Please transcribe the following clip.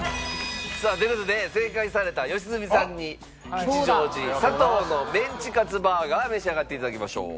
さあという事で正解された良純さんに吉祥寺さとうのメンチカツバーガー召し上がっていただきましょう。